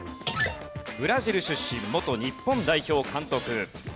ブラジル出身元日本代表監督。